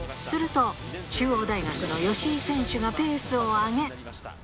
すると、中央大学の吉居選手がペースを上げ。